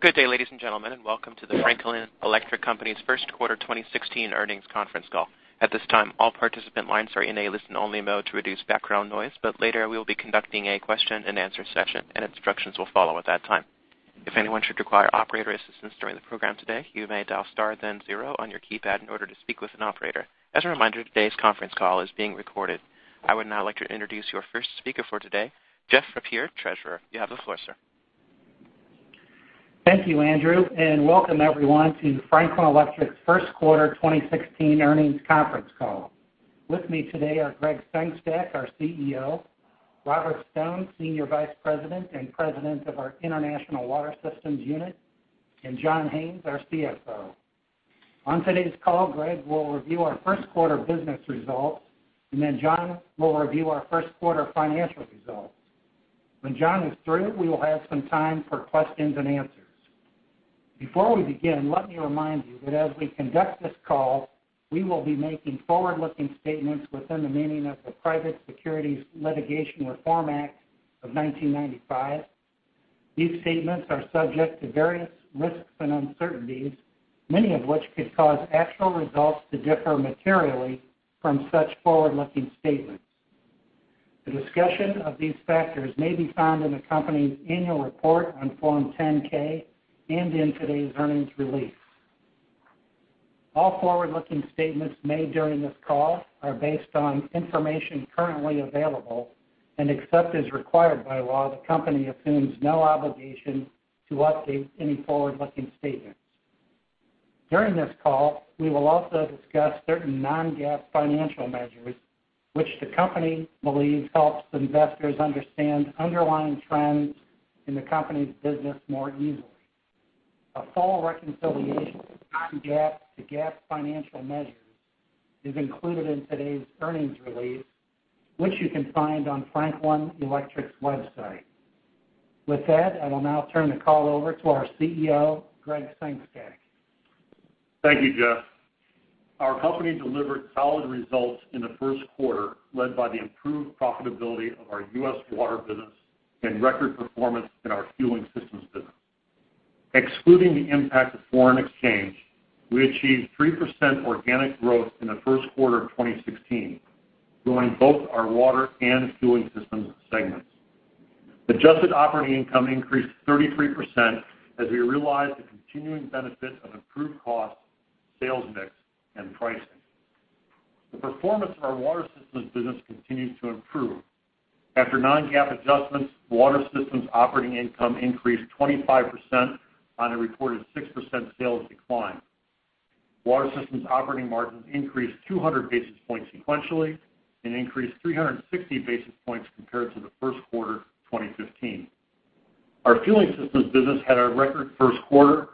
Good day, ladies and gentlemen, and welcome to the Franklin Electric Company's Q1 2016 earnings conference call. At this time, all participant lines are in a listen-only mode to reduce background noise, but later we will be conducting a question-and-answer session, and instructions will follow at that time. If anyone should require operator assistance during the program today, you may dial star then zero on your keypad in order to speak with an operator. As a reminder, today's conference call is being recorded. I would now like to introduce your first speaker for today, Jeff Reppert, Treasurer. You have the floor, sir. Thank you, Andrew, and welcome everyone to Franklin Electric's Q1 2016 earnings conference call. With me today are Gregg Sengstack, our CEO, Robert J. Stone, Senior Vice President and President of our International Water Systems unit, and John J. Haines, our CFO. On today's call, Gregg will review our Q1 business results, and then John will review our Q1 financial results. When John is through, we will have some time for questions and answers. Before we begin, let me remind you that as we conduct this call, we will be making forward-looking statements within the meaning of the Private Securities Litigation Reform Act of 1995. These statements are subject to various risks and uncertainties, many of which could cause actual results to differ materially from such forward-looking statements. The discussion of these factors may be found in the company's annual report on Form 10-K and in today's earnings release. All forward-looking statements made during this call are based on information currently available, and except as required by law, the company assumes no obligation to update any forward-looking statements. During this call, we will also discuss certain non-GAAP financial measures, which the company believes helps investors understand underlying trends in the company's business more easily. A full reconciliation from non-GAAP to GAAP financial measures is included in today's earnings release, which you can find on Franklin Electric's website. With that, I will now turn the call over to our CEO, Gregg Sengstack. Thank you, Jeff. Our company delivered solid results in the Q1, led by the improved profitability of our US Water business and record performance in our Fueling Systems business. Excluding the impact of foreign exchange, we achieved 3% organic growth in the Q1 of 2016, growing both our Water and Fueling Systems segments. Adjusted operating income increased 33% as we realized the continuing benefits of improved cost, sales mix, and pricing. The performance of our Water Systems business continues to improve. After non-GAAP adjustments, Water Systems operating income increased 25% on a reported 6% sales decline. Water Systems operating margins increased 200 basis points sequentially and increased 360 basis points compared to the Q1 of 2015. Our Fueling Systems business had our record Q1,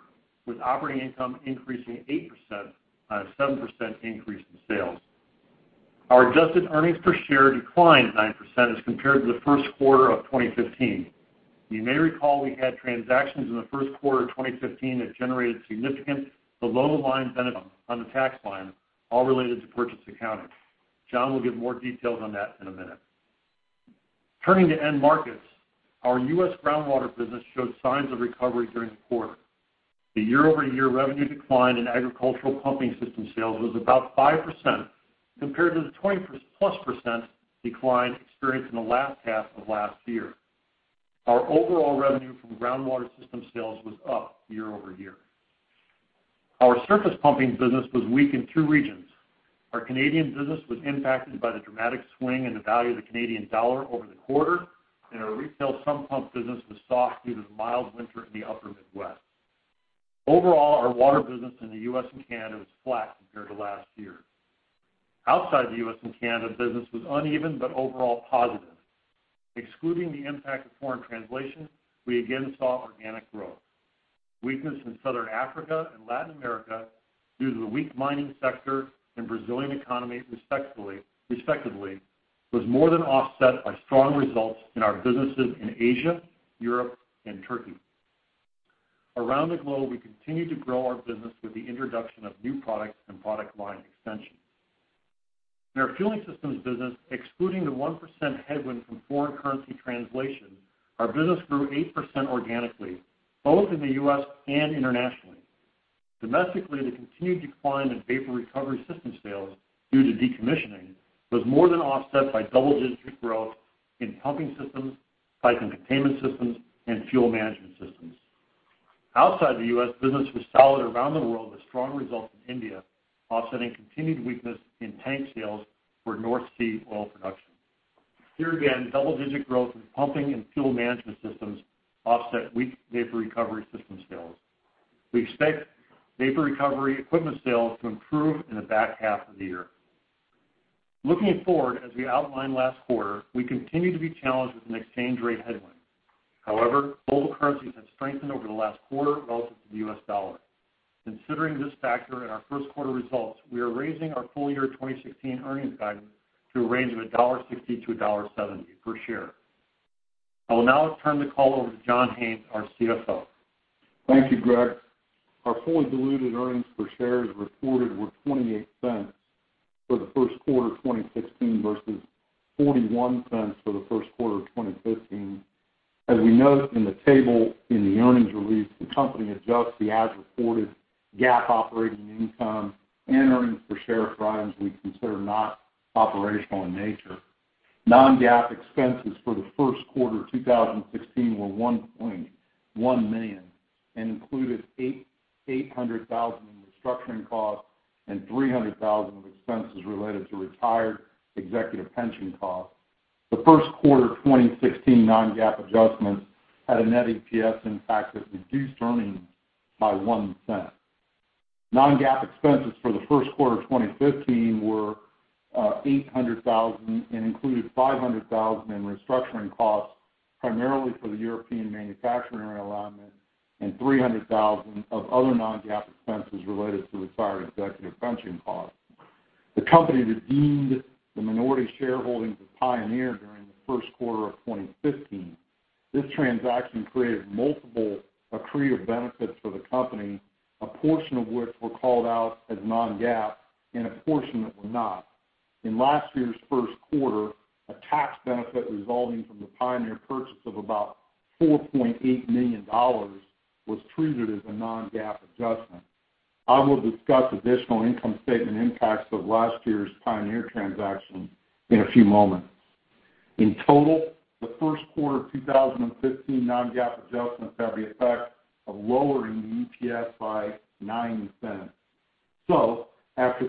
with operating income increasing 8% on a 7% increase in sales. Our adjusted earnings per share declined 9% as compared to the Q1 of 2015. You may recall we had transactions in the Q1 of 2015 that generated significant below-the-line benefit on the tax line, all related to purchase accounting. John will give more details on that in a minute. Turning to end markets, our U.S. groundwater business showed signs of recovery during the quarter. The year-over-year revenue decline in agricultural pumping system sales was about 5%, compared to the 20%+ decline experienced in the last half of last year. Our overall revenue from groundwater system sales was up year-over-year. Our surface pumping business was weak in two regions. Our Canadian business was impacted by the dramatic swing in the value of the Canadian dollar over the quarter, and our retail sump pump business was soft due to the mild winter in the Upper Midwest. Overall, our water business in the U.S. and Canada was flat compared to last year. Outside the U.S. and Canada, business was uneven but overall positive. Excluding the impact of foreign translation, we again saw organic growth. Weakness in Southern Africa and Latin America due to the weak mining sector and Brazilian economy, respectively, was more than offset by strong results in our businesses in Asia, Europe, and Turkey. Around the globe, we continue to grow our business with the introduction of new products and product line extensions. In our Fueling Systems business, excluding the 1% headwind from foreign currency translation, our business grew 8% organically, both in the U.S. and internationally. Domestically, the continued decline in vapor recovery system sales due to decommissioning was more than offset by double-digit growth in pumping systems, site containment systems, and fuel management systems. Outside the U.S., business was solid around the world, with strong results in India offsetting continued weakness in tank sales for North Sea oil production. Here again, double-digit growth in pumping and fuel management systems offset weak vapor recovery system sales. We expect vapor recovery equipment sales to improve in the back half of the year. Looking forward, as we outlined last quarter, we continue to be challenged with an exchange rate headwind. However, global currencies have strengthened over the last quarter relative to the US dollar. Considering this factor in our Q1 results, we are raising our full-year 2016 earnings guidance to a range of $1.60-$1.70 per share. I will now turn the call over to John J. Haines, our CFO. Thank you, Greg. Our fully diluted earnings per share reported were $0.28 for the Q1 of 2016 versus $0.41 for the Q1 of 2015. As we note in the table in the earnings release, the company adjusts the as-reported GAAP operating income and earnings per share for items we consider not operational in nature. Non-GAAP expenses for the Q1 of 2016 were $1.1 million and included $800,000 in restructuring costs and $300,000 of expenses related to retired executive pension costs. The Q1 of 2016 non-GAAP adjustments had a net EPS impact that reduced earnings by $0.01. Non-GAAP expenses for the Q1 of 2015 were $800,000 and included $500,000 in restructuring costs, primarily for the European manufacturing realignment, and $300,000 of other non-GAAP expenses related to retired executive pension costs. The company redeemed the minority shareholding of Pioneer during the Q1 of 2015. This transaction created multiple accretive benefits for the company, a portion of which were called out as non-GAAP and a portion that were not. In last year's Q1, a tax benefit resulting from the Pioneer purchase of about $4.8 million was treated as a non-GAAP adjustment. I will discuss additional income statement impacts of last year's Pioneer transaction in a few moments. In total, the Q1 of 2015 non-GAAP adjustments had the effect of lowering the EPS by $0.09. So after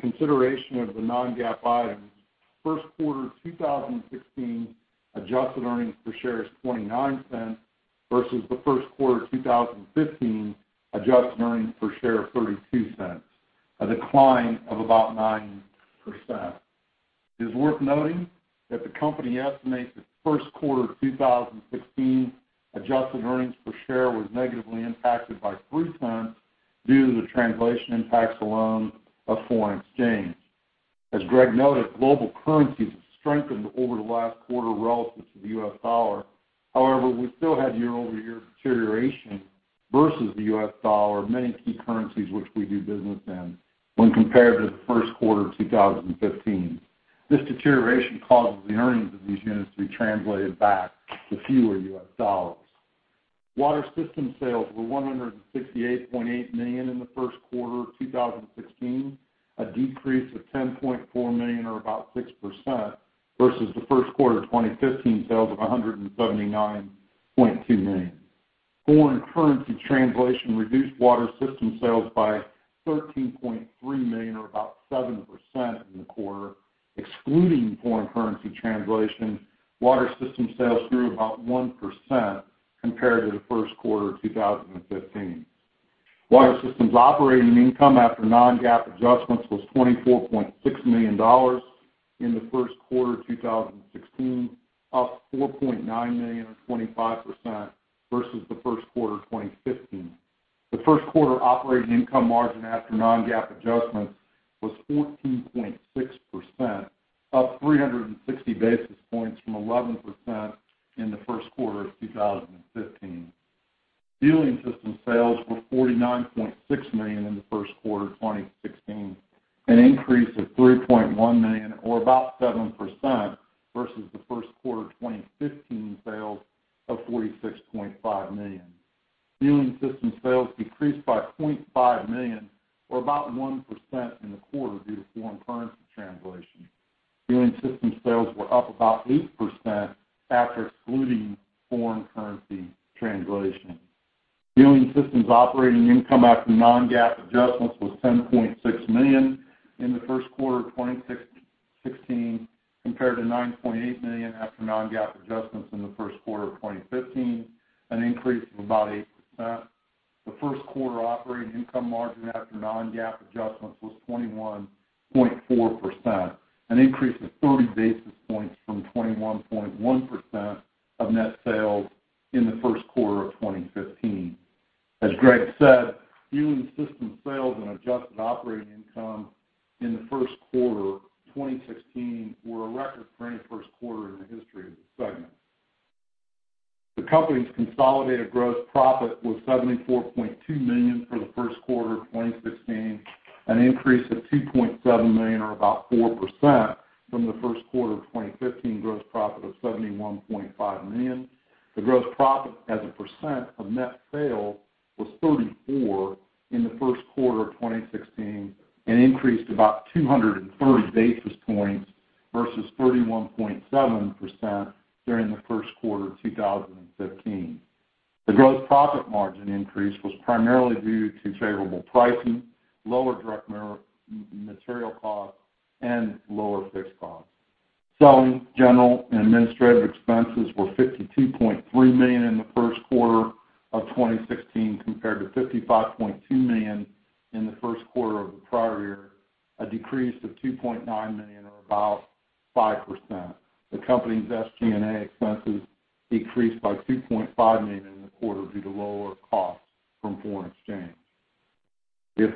consideration of the non-GAAP items, Q1 2016 adjusted earnings per share is $0.29 versus the Q1 of 2015 adjusted earnings per share of $0.32, a decline of about 9%. It is worth noting that the company estimates the Q1 2016 adjusted earnings per share was negatively impacted by $0.03 due to the translation impacts alone of foreign exchange. As Greg noted, global currencies have strengthened over the last quarter relative to the US dollar. However, we still had year-over-year deterioration versus the US dollar in many key currencies which we do business in when compared to the Q1 of 2015. This deterioration causes the earnings of these units to be translated back to fewer US dollars. Water Systems sales were $168.8 million in the Q1 of 2016, a decrease of $10.4 million or about 6% versus the Q1 of 2015 sales of $179.2 million. Foreign currency translation reduced Water Systems sales by $13.3 million, or about 7% in the quarter. Excluding foreign currency translation, Water Systems sales grew about 1% compared to the Q1 of 2015. Water Systems operating income after non-GAAP adjustments was $24.6 million in the Q1 of 2016, up $4.9 million, or 25%, versus the Q1 of 2015. The Q1 operating income margin after non-GAAP adjustments was 14.6%, up 360 basis points from 11% in the Q1 of 2015. Fueling system sales were $49.6 million in the Q1 of 2016, an increase of $3.1 million, or about 7%, versus the Q1 of 2015 sales of $46.5 million. Fueling system sales decreased by $0.5 million, or about 1% in the quarter, due to foreign currency translation. Fueling system sales were up about 8% after excluding foreign currency translation. Fueling systems operating income after non-GAAP adjustments was $10.6 million in the Q1 of 2016, compared to $9.8 million after non-GAAP adjustments in the Q1 of 2015, an increase of about 8%. The Q1 operating income margin after non-GAAP adjustments was 21.4%, an increase of 30 basis points from 21.1% of net sales in the Q1 of 2015. As Greg said, Fueling System sales and adjusted operating income in the Q1 of 2016 were a record for any Q1 in the history of the segment. The company's consolidated gross profit was $74.2 million for the Q1 of 2016, an increase of $2.7 million, or about 4%, from the Q1 of 2015 gross profit of $71.5 million. The gross profit as a percent of net sales was 34% in the Q1 of 2016 and increased about 230 basis points versus 31.7% during the Q1 of 2015. The gross profit margin increase was primarily due to favorable pricing, lower direct material costs, and lower fixed costs. Selling, general, and administrative expenses were $52.3 million in the Q1 of 2016, compared to $55.2 million in the Q1 of the prior year, a decrease of $2.9 million or about 5%. The company's SG&A expenses decreased by $2.5 million in the quarter due to lower costs from foreign exchange. The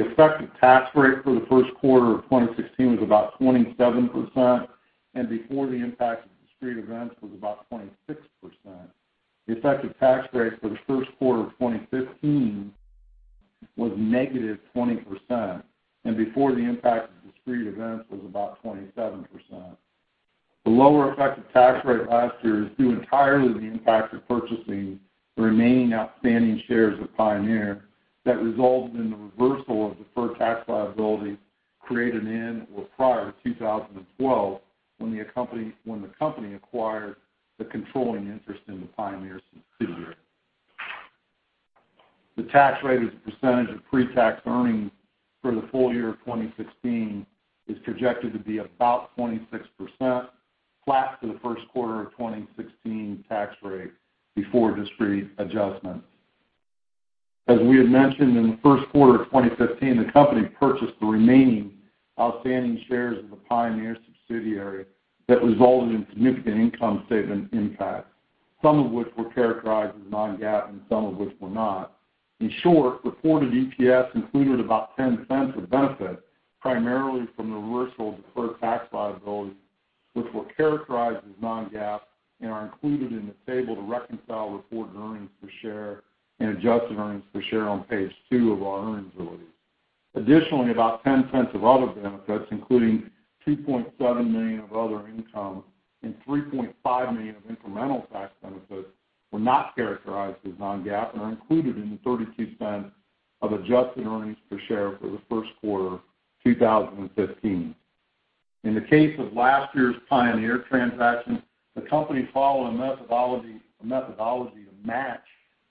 effective tax rate for the Q1 of 2016 was about 27%, and before the impact of discrete events was about 26%.... The effective tax rate for the Q1 of 2015 was negative 20%, and before the impact of discrete events was about 27%. The lower effective tax rate last year is due entirely to the impact of purchasing the remaining outstanding shares of Pioneer that resulted in the reversal of deferred tax liability created in or prior to 2012, when the company acquired the controlling interest in the Pioneer subsidiary. The tax rate as a percentage of pretax earnings for the full year of 2016 is projected to be about 26%, flat to the Q1 of 2016 tax rate before discrete adjustments. As we had mentioned in the Q1 of 2015, the company purchased the remaining outstanding shares of the Pioneer subsidiary that resulted in significant income statement impact, some of which were characterized as non-GAAP and some of which were not. In short, reported EPS included about $0.10 of benefit, primarily from the reversal of deferred tax liability, which were characterized as non-GAAP and are included in the table to reconcile reported earnings per share and adjusted earnings per share on page 2 of our earnings release. Additionally, about $0.10 of other benefits, including $2.7 million of other income and $3.5 million of incremental tax benefits, were not characterized as non-GAAP and are included in the $0.32 of adjusted earnings per share for the Q1 2015. In the case of last year's Pioneer transaction, the company followed a methodology, a methodology to match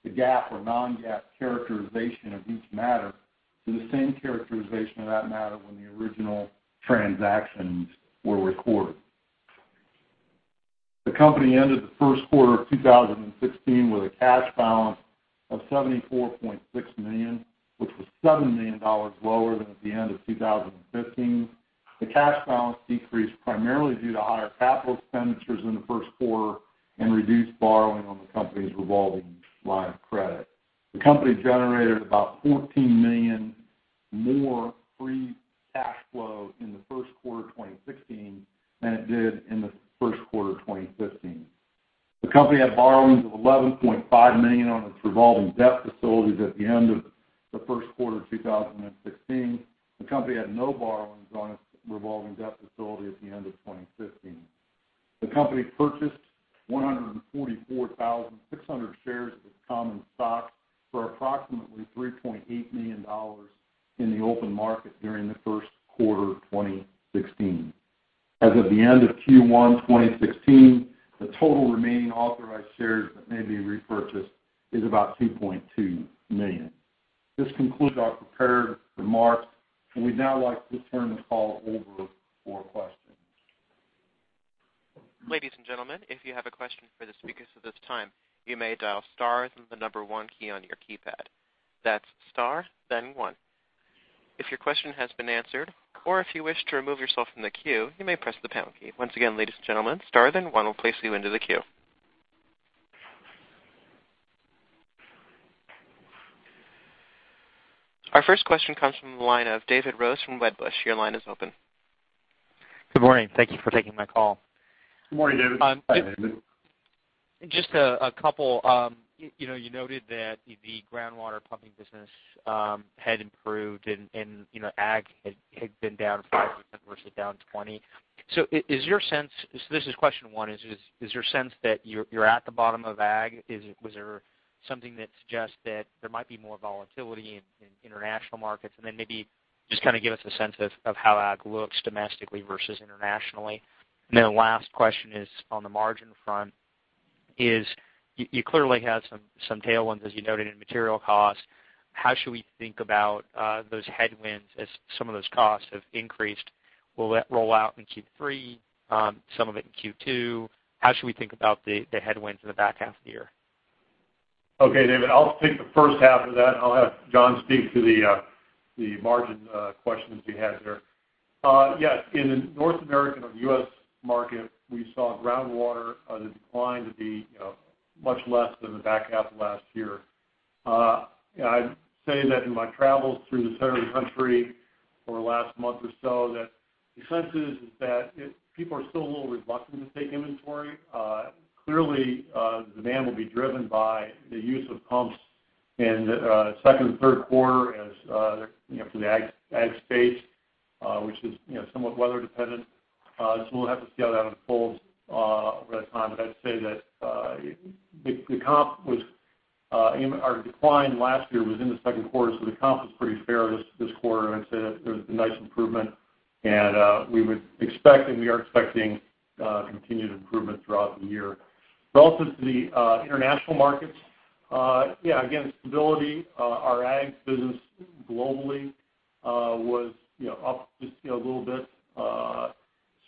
the GAAP or non-GAAP characterization of each matter to the same characterization of that matter when the original transactions were recorded. The company ended the Q1 of 2016 with a cash balance of $74.6 million, which was $7 million lower than at the end of 2015. The cash balance decreased primarily due to higher capital expenditures in the Q1 and reduced borrowing on the company's revolving line of credit. The company generated about $14 million more free cash flow in the Q1 of 2016 than it did in the Q1 of 2015. The company had borrowings of $11.5 million on its revolving debt facilities at the end of the Q1 of 2016. The company had no borrowings on its revolving debt facility at the end of 2015. The company purchased 144,600 shares of common stock for approximately $3.8 million in the open market during the Q1 of 2016. As of the end of Q1 2016, the total remaining authorized shares that may be repurchased is about 2.2 million. This concludes our prepared remarks, and we'd now like to turn the call over for questions. Ladies and gentlemen, if you have a question for the speakers at this time, you may dial star, then the number one key on your keypad. That's star, then one. If your question has been answered, or if you wish to remove yourself from the queue, you may press the pound key. Once again, ladies and gentlemen, star, then one will place you into the queue. Our first question comes from the line of David Rose from Wedbush. Your line is open. Good morning. Thank you for taking my call. Good morning, David. Just a couple, you know, you noted that the groundwater pumping business had improved and, you know, ag had been down 5 versus down 20. So is your sense -- so this is question one: Is your sense that you're at the bottom of ag? Is it was there something that suggests that there might be more volatility in international markets? And then maybe just kind of give us a sense of how ag looks domestically versus internationally. And then the last question is on the margin front, is you clearly had some tailwinds, as you noted, in material costs. How should we think about those headwinds as some of those costs have increased? Will that roll out in Q3, some of it in Q2? How should we think about the headwinds in the back half of the year? Okay, David, I'll take the first half of that, and I'll have John speak to the margin questions you had there. Yes, in the North American or U.S. market, we saw groundwater the decline to be, you know, much less than the back half of last year. I'd say that in my travels through the center of the country over the last month or so, that the sense is that it, people are still a little reluctant to take inventory. Clearly, demand will be driven by the use of pumps in the second and Q3 as, you know, for the ag space, which is, you know, somewhat weather dependent. So we'll have to see how that unfolds over that time. But I'd say that the comp was in our decline last year was in the Q2, so the comp was pretty fair this quarter. I'd say that there was a nice improvement, and we would expect, and we are expecting, continued improvement throughout the year. But also to the international markets, yeah, again, stability. Our ag business globally was, you know, up just, you know, a little bit.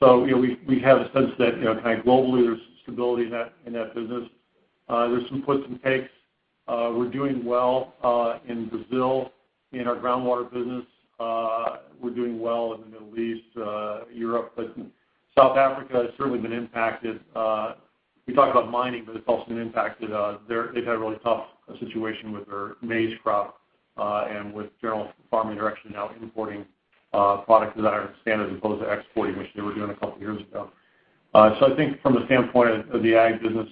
So, you know, we have a sense that, you know, kind of globally, there's stability in that business. There's some puts and takes. We're doing well in Brazil, in our groundwater business. We're doing well in the Middle East, Europe, but South Africa has certainly been impacted. We talked about mining, but it's also been impacted there. They've had a really tough situation with their maize crop, and with general farming direction now importing ... products that are standard as opposed to exporting, which they were doing a couple of years ago. So I think from the standpoint of the ag business,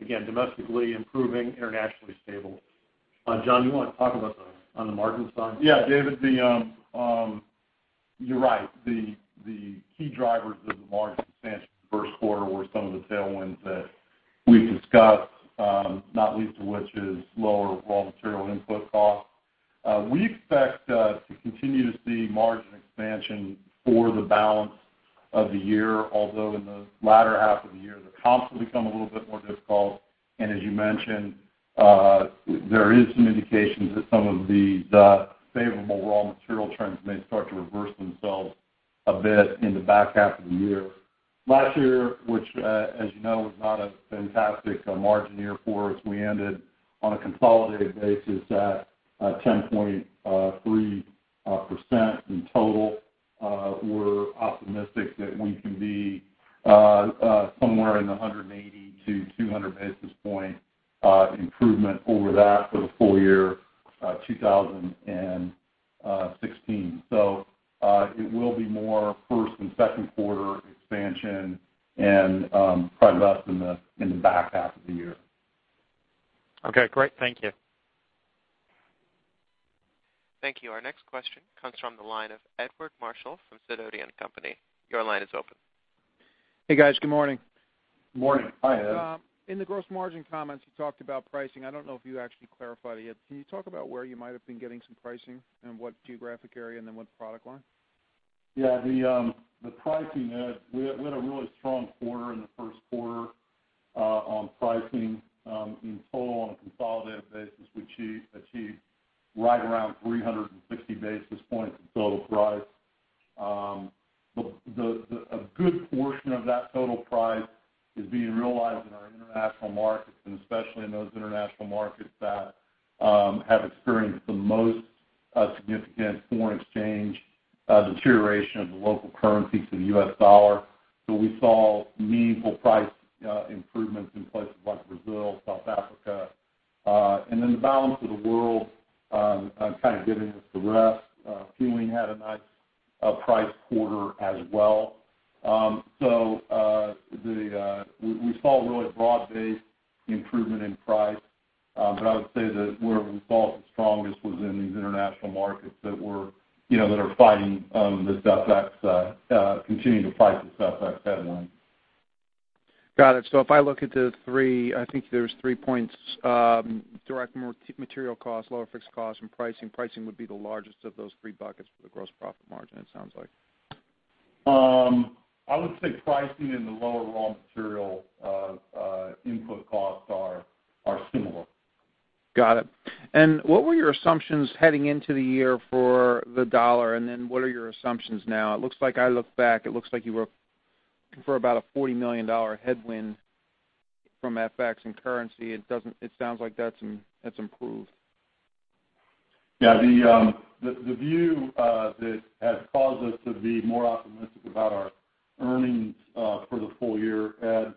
again, domestically improving, internationally stable. John, you want to talk about the, on the margin side? Yeah, David, you're right. The key drivers of the margin expansion in the Q1 were some of the tailwinds that we've discussed, not least of which is lower raw material input costs. We expect to continue to see margin expansion for the balance of the year, although in the latter half of the year, the comps will become a little bit more difficult. And as you mentioned, there is some indications that some of the favorable raw material trends may start to reverse themselves a bit in the back half of the year. Last year, which, as you know, was not a fantastic margin year for us, we ended on a consolidated basis at 10.3% in total. We're optimistic that we can be somewhere in the 180-200 basis point improvement over that for the full year, 2016. So, it will be more first and Q2 expansion and quite less in the back half of the year. Okay, great. Thank you. Thank you. Our next question comes from the line of Edward Marshall from Sidoti & Company. Your line is open. Hey, guys. Good morning. Morning. Hi, Ed. In the gross margin comments, you talked about pricing. I don't know if you actually clarified it yet. Can you talk about where you might have been getting some pricing, and what geographic area, and then what the product line? Yeah, the pricing, Ed, we had a really strong quarter in the Q1 on pricing. In total, on a consolidated basis, we achieved right around 360 basis points in total price. A good portion of that total price is being realized in our international markets, and especially in those international markets that have experienced the most significant foreign exchange deterioration of the local currency to the US dollar. So we saw meaningful price improvements in places like Brazil, South Africa, and then the balance of the world kind of getting the rest. Fueling had a nice price quarter as well. So we saw a really broad-based improvement in price. But I would say that where we saw it the strongest was in these international markets that were, you know, that are fighting this FX, continuing to fight this FX headline. Got it. So if I look at the three, I think there's three points, direct more material costs, lower fixed costs, and pricing. Pricing would be the largest of those three buckets for the gross profit margin, it sounds like. I would say pricing and the lower raw material input costs are similar. Got it. And what were your assumptions heading into the year for the dollar, and then what are your assumptions now? It looks like you were for about a $40 million headwind from FX and currency. It doesn't -- it sounds like that's improved. Yeah, the view that has caused us to be more optimistic about our earnings for the full year, Ed,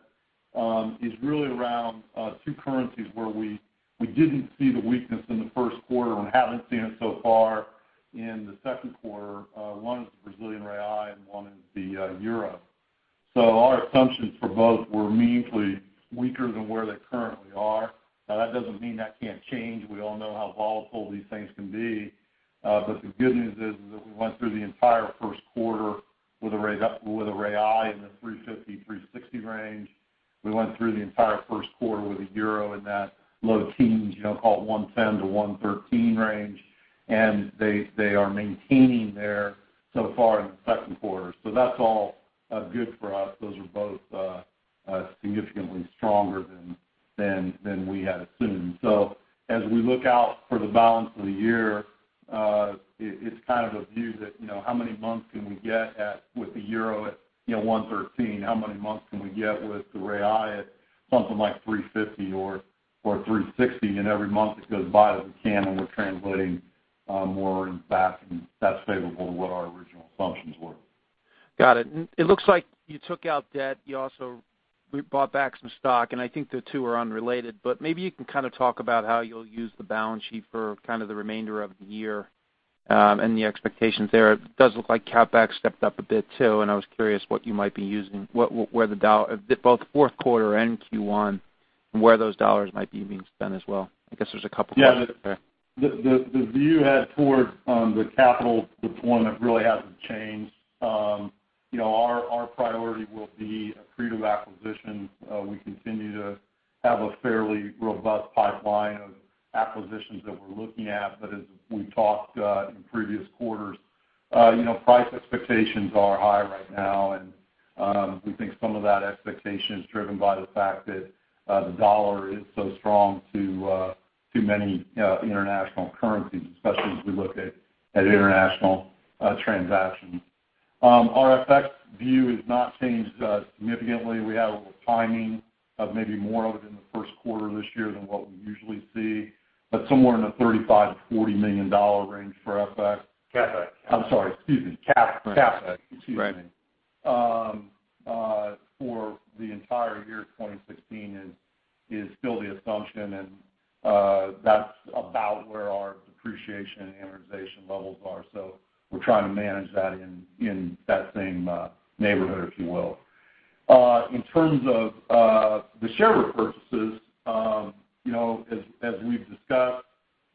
is really around two currencies where we didn't see the weakness in the Q1 and haven't seen it so far in the Q2. One is the Brazilian real, and one is the euro. So our assumptions for both were meaningfully weaker than where they currently are. Now, that doesn't mean that can't change. We all know how volatile these things can be. But the good news is that we went through the entire Q1 with the real in the 3.50-3.60 range. We went through the entire Q1 with the euro in that low teens, you know, call it 1.10-1.13 range, and they are maintaining there so far in the Q2. So that's all good for us. Those are both significantly stronger than we had assumed. So as we look out for the balance of the year, it's kind of the view that, you know, how many months can we get away with the euro at, you know, 1.13? How many months can we get with the real at something like 3.50 or 3.60? And every month that goes by and we're translating more income back, and that's favorable to what our original assumptions were. Got it. It looks like you took out debt. You also bought back some stock, and I think the two are unrelated, but maybe you can kind of talk about how you'll use the balance sheet for kind of the remainder of the year, and the expectations there. It does look like CapEx stepped up a bit, too, and I was curious what you might be using. What, where the dollars, both Q4 and Q1, and where those $ might be being spent as well. I guess there's a couple parts there. Yeah. The view ahead toward the capital deployment really hasn't changed. You know, our priority will be accretive acquisitions. We continue to have a fairly robust pipeline of acquisitions that we're looking at, but as we talked in previous quarters, you know, price expectations are high right now. We think some of that expectation is driven by the fact that the dollar is so strong to many international currencies, especially as we look at international transactions. Our FX view has not changed significantly. We have a little timing of maybe more of it in the Q1 of this year than what we usually see, but somewhere in the $35 million-$40 million range for FX. CapEx. I'm sorry. Excuse me. CapEx. CapEx. Excuse me, for the entire year of 2016 is still the assumption. And that's about where our depreciation and amortization levels are. So we're trying to manage that in that same neighborhood, if you will. In terms of the share repurchases, you know, as we've discussed,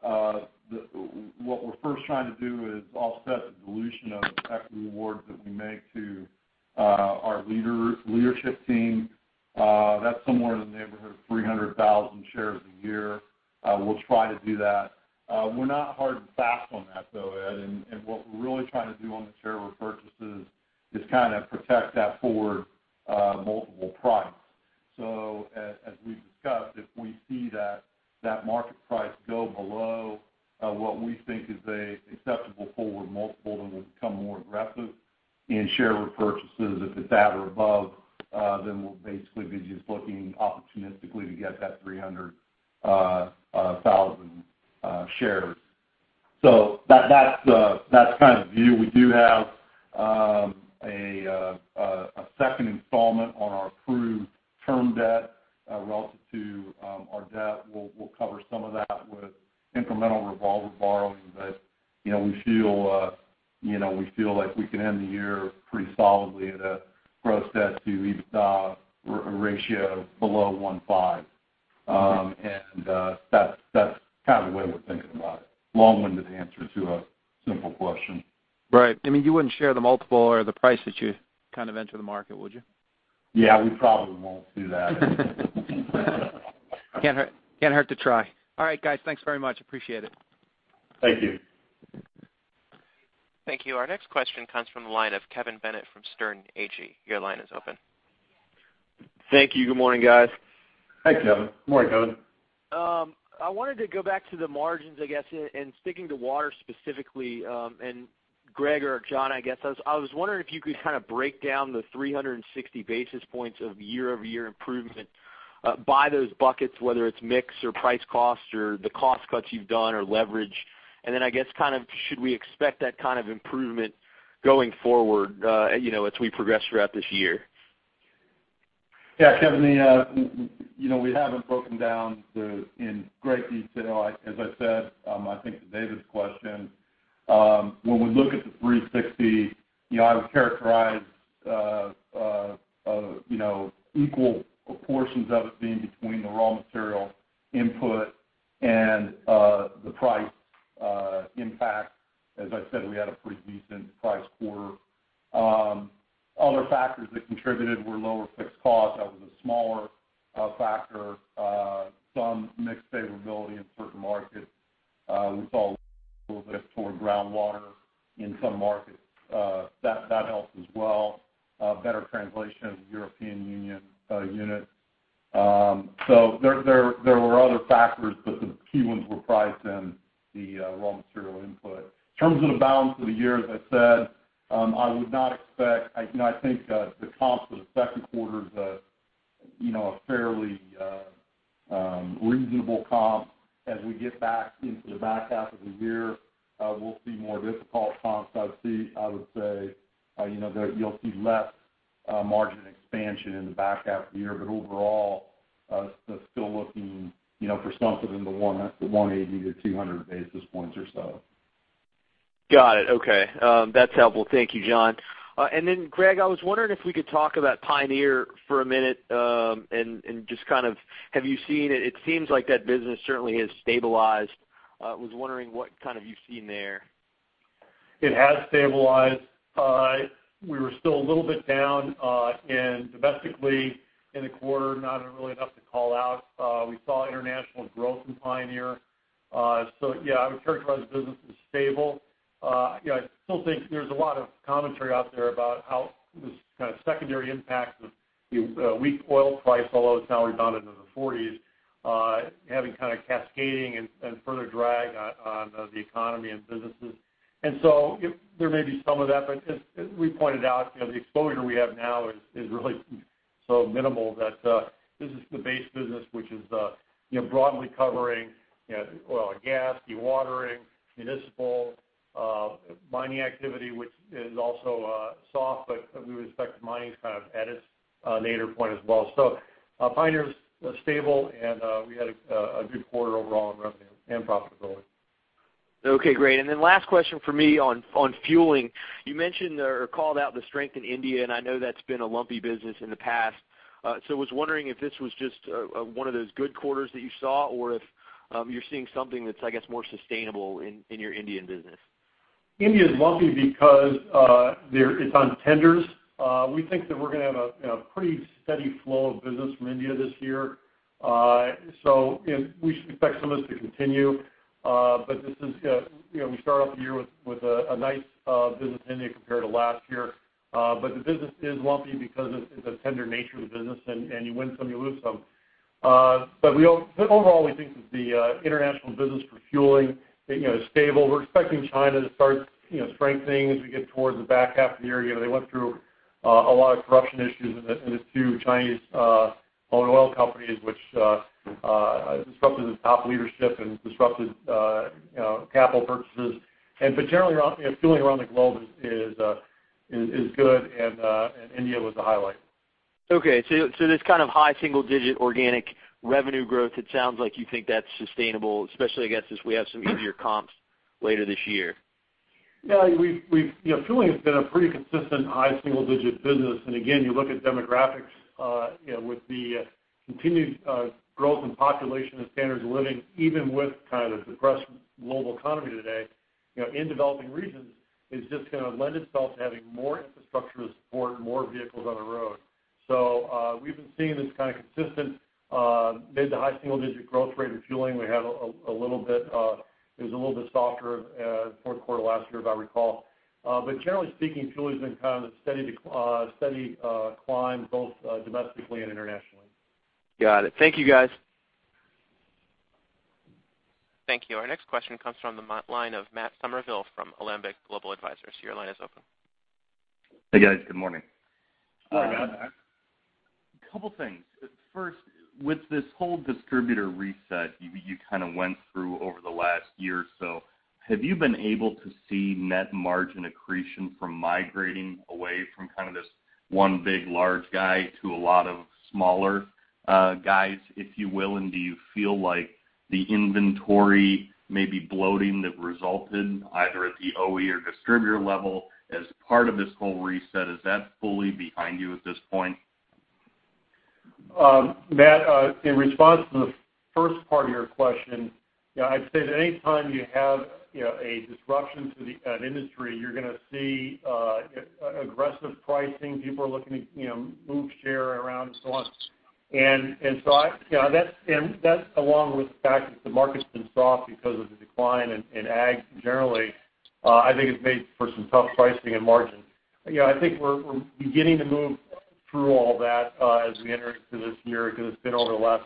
what we're first trying to do is offset the dilution of the equity awards that we make to our leadership team. That's somewhere in the neighborhood of 300,000 shares a year. We'll try to do that. We're not hard and fast on that, though, Ed, and what we're really trying to do on the share repurchases is kind of protect that forward multiple price. So as we've discussed, if we see that market price go below what we think is an acceptable forward multiple, then we'll become more aggressive in share repurchases. If it's at or above, then we'll basically be just looking opportunistically to get that 300,000 shares. So that's kind of the view. We do have a second installment on our approved term debt. Relative to our debt, we'll cover some of that with incremental revolver borrowing. But, you know, we feel, you know, we feel like we can end the year pretty solidly at a gross debt to EBITDA ratio below 1.5. And that's kind of the way we're thinking about it. Long-winded answer to a simple question. Right. I mean, you wouldn't share the multiple or the price that you kind of enter the market, would you? Yeah, we probably won't do that. Can't hurt, can't hurt to try. All right, guys. Thanks very much. Appreciate it. Thank you. Thank you. Our next question comes from the line of Kevin Bennett from Sterne Agee. Your line is open. Thank you. Good morning, guys. Hi, Kevin. Good morning, Kevin. I wanted to go back to the margins, I guess, and sticking to water specifically, and Greg or John, I guess, I was wondering if you could kind of break down the 360 basis points of year-over-year improvement by those buckets, whether it's mix or price cost or the cost cuts you've done or leverage. Then I guess kind of, should we expect that kind of improvement going forward, you know, as we progress throughout this year? Yeah, Kevin, the, you know, we haven't broken down the, in great detail. As I said, I think to David's question, when we look at the 360, you know, I would characterize, you know, equal proportions of it being between the raw material input and, the price, impact. As I said, we had a pretty decent price quarter. Other factors that contributed were lower fixed costs. That was a smaller, factor. Some mixed favorability in certain markets. We saw a little bit toward groundwater in some markets, that helped as well. Better translation of European Union, units. So there were other factors, but the key ones were priced in the, raw material input. In terms of the balance of the year, as I said, I would not expect... I, you know, I think, the comps for the Q2 is a, you know, a fairly, reasonable comp. As we get back into the back half of the year, we'll see more difficult comps. I would say, you know, that you'll see less margin expansion in the back half of the year. But overall, still looking, you know, for something in the 110-200 basis points or so. Got it. Okay, that's helpful. Thank you, John. And then, Greg, I was wondering if we could talk about Pioneer for a minute, and just kind of have you seen it? It seems like that business certainly has stabilized. Was wondering what kind of you've seen there. It has stabilized. We were still a little bit down, and domestically in the quarter, not really enough to call out. We saw international growth in Pioneer. So yeah, I would characterize the business as stable. You know, I still think there's a lot of commentary out there about how this kind of secondary impact of the weak oil price, although it's now rebounded in the forties, having kind of cascading and further drag on the economy and businesses. And so there may be some of that, but as we pointed out, you know, the exposure we have now is really so minimal that this is the base business, which is, you know, broadly covering, you know, oil and gas, dewatering, municipal, mining activity, which is also soft, but we would expect mining is kind of at its nadir point as well. So, Pioneer is stable, and we had a good quarter overall in revenue and profitability. Okay, great. And then last question for me on, on fueling. You mentioned or called out the strength in India, and I know that's been a lumpy business in the past. So I was wondering if this was just one of those good quarters that you saw, or if you're seeing something that's, I guess, more sustainable in, in your Indian business? India is lumpy because it's on tenders. We think that we're gonna have a, you know, pretty steady flow of business from India this year. So, and we should expect some of this to continue. But this is, you know, we start off the year with a nice business in India compared to last year. But the business is lumpy because it's a tender nature of the business, and you win some, you lose some. But overall, we think that the international business for fueling, you know, is stable. We're expecting China to start, you know, strengthening as we get towards the back half of the year. You know, they went through a lot of corruption issues in the two Chinese owned oil companies, which disrupted the top leadership and disrupted you know, capital purchases. But generally around you know, fueling around the globe is good, and India was the highlight.... Okay, so, so this kind of high single digit organic revenue growth, it sounds like you think that's sustainable, especially, I guess, as we have some easier comps later this year? Yeah, we've you know, fueling has been a pretty consistent high single digit business. And again, you look at demographics, you know, with the continued growth in population and standards of living, even with kind of the depressed global economy today, you know, in developing regions, is just gonna lend itself to having more infrastructure to support more vehicles on the road. So, we've been seeing this kind of consistent mid to high single digit growth rate in fueling. We had a little bit, it was a little bit softer Q4 last year, if I recall. But generally speaking, fueling has been kind of a steady climb, both domestically and internationally. Got it. Thank you, guys. Thank you. Our next question comes from the line of Matt Somerville from Alembic Global Advisors. Your line is open. Hey, guys. Good morning. Hi, Matt. A couple things. First, with this whole distributor reset you kind of went through over the last year or so, have you been able to see net margin accretion from migrating away from kind of this one big large guy to a lot of smaller, guys, if you will? And do you feel like the inventory may be bloating that resulted either at the OE or distributor level as part of this whole reset, is that fully behind you at this point? Matt, in response to the first part of your question, you know, I'd say that anytime you have, you know, a disruption to the, an industry, you're gonna see aggressive pricing. People are looking to, you know, move share around and so on. you know, that's, and that's along with the fact that the market's been soft because of the decline in ag generally, I think it's made for some tough pricing and margins. You know, I think we're, we're beginning to move through all that, as we enter into this year, because it's been over the last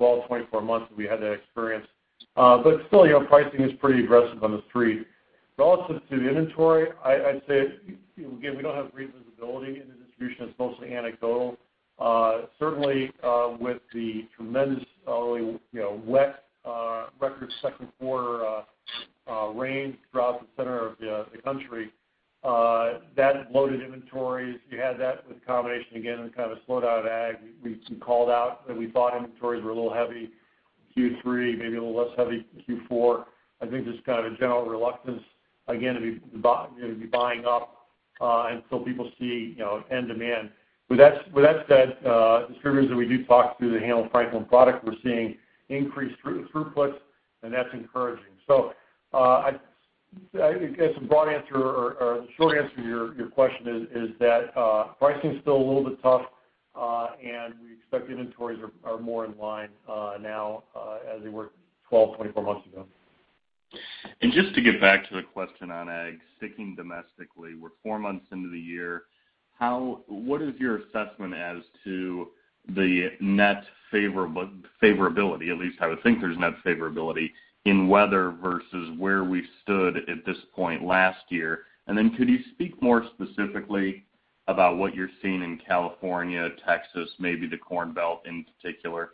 12-24 months that we had that experience. but still, you know, pricing is pretty aggressive on the street. Relative to the inventory, I, I'd say, again, we don't have great visibility into distribution. It's mostly anecdotal. Certainly, with the tremendous, you know, wet record Q2 rain throughout the center of the country that loaded inventories, you had that with a combination, again, kind of a slowdown of ag. We somewhat called out, and we thought inventories were a little heavy Q3, maybe a little less heavy Q4. I think just kind of a general reluctance, again, to be buying up, you know, until people see end demand. With that said, distributors that we do talk to that handle Franklin product, we're seeing increased throughput, and that's encouraging. So, I guess the broad answer or the short answer to your question is that pricing is still a little bit tough, and we expect inventories are more in line now, as they were 12, 24 months ago. Just to get back to the question on ag, sticking domestically, we're four months into the year. What is your assessment as to the net favorability, at least I would think there's net favorability, in weather versus where we stood at this point last year? And then could you speak more specifically about what you're seeing in California, Texas, maybe the Corn Belt in particular?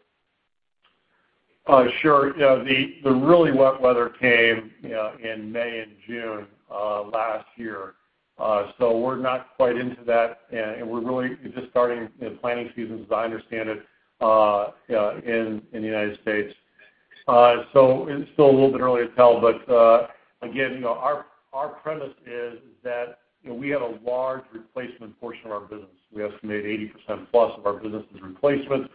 Sure. You know, the really wet weather came, you know, in May and June last year. So we're not quite into that, and we're really just starting, you know, planting season, as I understand it, in the United States. So it's still a little bit early to tell, but again, you know, our premise is that, you know, we have a large replacement portion of our business. We estimate 80% plus of our business is replacement.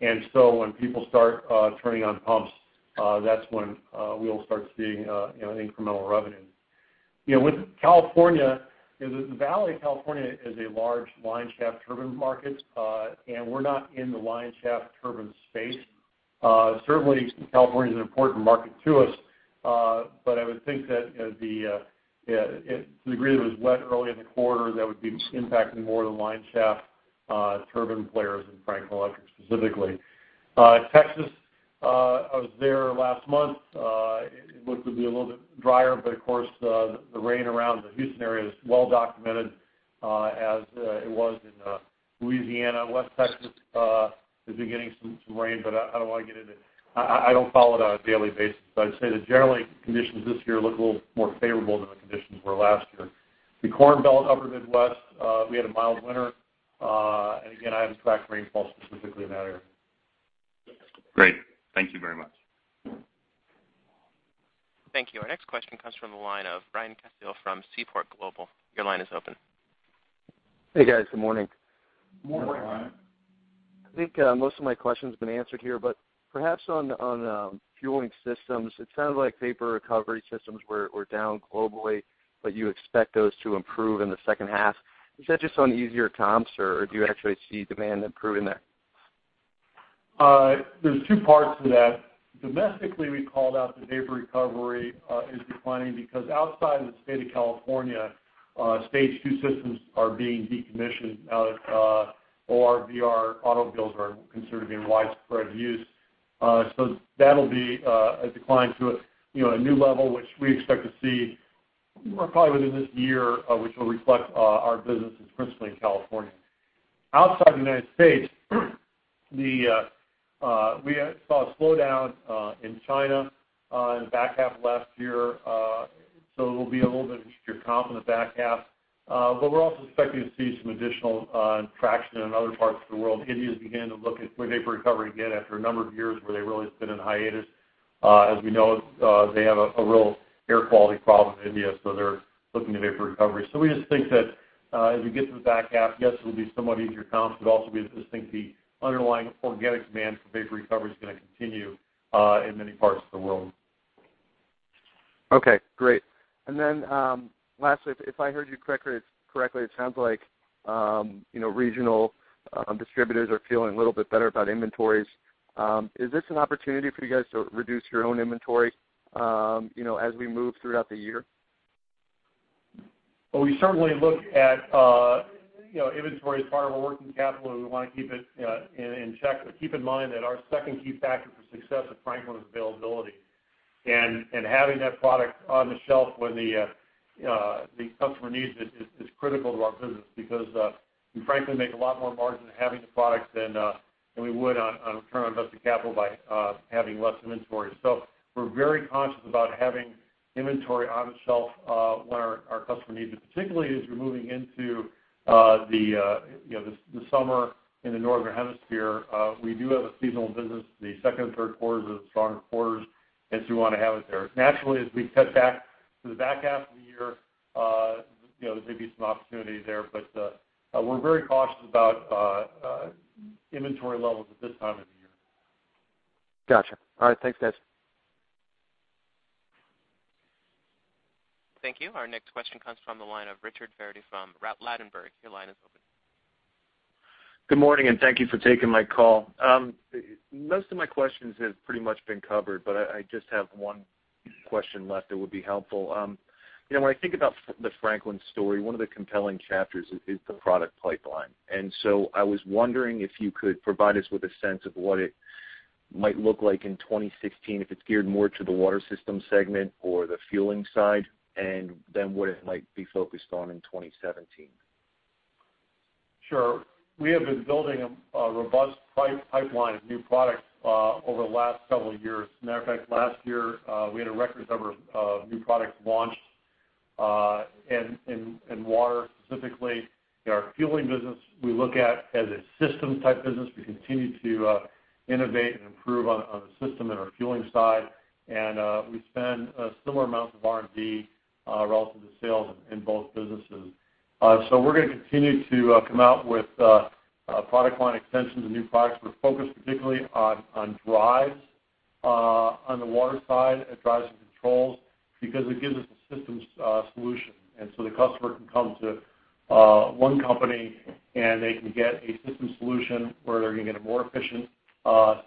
And so when people start turning on pumps, that's when we'll start seeing, you know, incremental revenue. You know, with California, you know, the Valley of California is a large line shaft turbine market, and we're not in the line shaft turbine space. Certainly, California is an important market to us, but I would think that, you know, the, to the degree that it was wet early in the quarter, that would be impacting more of the line shaft turbine players than Franklin Electric, specifically. Texas, I was there last month, it looked to be a little bit drier, but of course, the rain around the Houston area is well documented, as it was in Louisiana. West Texas has been getting some rain, but I don't want to get into—I don't follow it on a daily basis. But I'd say that generally, conditions this year look a little more favorable than the conditions were last year. The Corn Belt, Upper Midwest, we had a mild winter. And again, I haven't tracked rainfall specifically in that area. Great. Thank you very much. Thank you. Our next question comes from the line of Brian Casteel from Seaport Global. Your line is open. Hey, guys. Good morning. Morning, Brian. I think, most of my question's been answered here, but perhaps on Fueling systems, it sounded like vapor recovery systems were down globally, but you expect those to improve in the second half. Is that just on easier comps, or do you actually see demand improving there? There's two parts to that. Domestically, we called out that vapor recovery is declining because outside the state of California, Stage IIsystems are being decommissioned, ORVR automobiles are considered to be in widespread use. So that'll be a decline to, you know, a new level, which we expect to see probably within this year, which will reflect our business, which is principally in California. Outside the United States, we saw a slowdown in China in the back half of last year. So it will be a little bit of easier comp in the back half. But we're also expecting to see some additional traction in other parts of the world. India's began to look at vapor recovery again, after a number of years where they really have been in hiatus. As we know, they have a real air quality problem in India, so they're looking at vapor recovery. So we just think that, as we get to the back half, yes, it will be somewhat easier comps, but also we just think the underlying organic demand for vapor recovery is gonna continue, in many parts of the world. Okay, great. And then, lastly, if I heard you correctly, it sounds like, you know, regional distributors are feeling a little bit better about inventories. Is this an opportunity for you guys to reduce your own inventory, you know, as we move throughout the year? Well, we certainly look at, you know, inventory as part of our working capital, and we wanna keep it in check. But keep in mind that our second key factor for success at Franklin is availability. And having that product on the shelf when the customer needs it is critical to our business because we frankly make a lot more margin having the product than we would on return on invested capital by having less inventory. So we're very conscious about having inventory on the shelf when our customer needs it, particularly as you're moving into, you know, the summer in the northern hemisphere. We do have a seasonal business. The second and Q3s are the stronger quarters, and so we wanna have it there. Naturally, as we cut back to the back half of the year, you know, there may be some opportunity there, but, we're very cautious about, inventory levels at this time of the year. Gotcha. All right, thanks, guys. Thank you. Our next question comes from the line of Richard Verity from Oppenheimer. Your line is open. Good morning, and thank you for taking my call. Most of my questions have pretty much been covered, but I, I just have one question left that would be helpful. You know, when I think about the Franklin story, one of the compelling chapters is the product pipeline. And so I was wondering if you could provide us with a sense of what it might look like in 2016, if it's geared more to the water system segment or the fueling side, and then what it might be focused on in 2017? Sure. We have been building a robust pipeline of new products over the last several years. Matter of fact, last year we had a record number of new products launched in water, specifically. In our fueling business, we look at as a systems-type business. We continue to innovate and improve on the system in our fueling side. We spend similar amounts of R&D relative to sales in both businesses. So we're gonna continue to come out with product line extensions and new products. We're focused particularly on drives on the water side, and drives and controls, because it gives us a systems solution. So the customer can come to one company, and they can get a system solution where they're gonna get a more efficient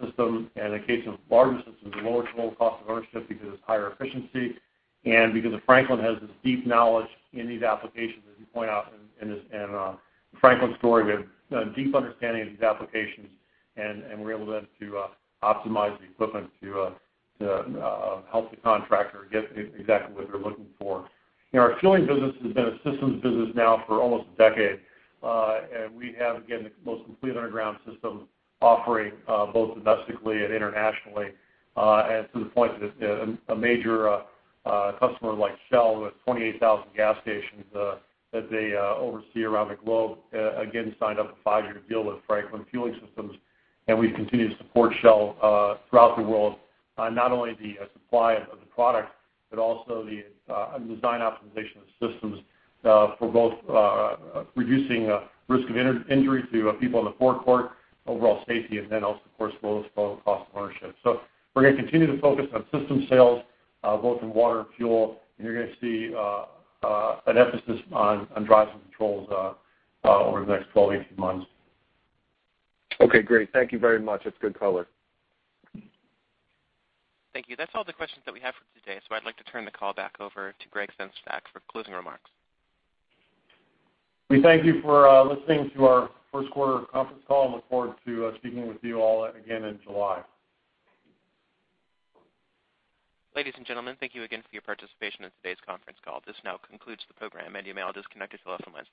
system, and in case of larger systems, a lower total cost of ownership because it's higher efficiency, and because Franklin has this deep knowledge in these applications, as you point out in this, in Franklin's story, we have a deep understanding of these applications, and we're able then to optimize the equipment to help the contractor get exactly what they're looking for. You know, our fueling business has been a systems business now for almost a decade. And we have, again, the most complete underground system offering, both domestically and internationally. And to the point that a major customer like Shell, with 28,000 gas stations that they oversee around the globe, again, signed up a 5-year deal with Franklin Fueling Systems. And we've continued to support Shell throughout the world, not only the supply of the product, but also the design optimization of systems for both reducing risk of injury to people on the forecourt, overall safety, and then also, of course, lowest total cost of ownership. So we're gonna continue to focus on system sales both in water and fuel, and you're gonna see an emphasis on drives and controls over the next 12-18 months. Okay, great. Thank you very much. That's good color. Thank you. That's all the questions that we have for today. So I'd like to turn the call back over to Gregg Sengstack for closing remarks. We thank you for listening to our Q1 conference call and look forward to speaking with you all again in July. Ladies and gentlemen, thank you again for your participation in today's conference call. This now concludes the program, and you may all disconnect your telephone lines.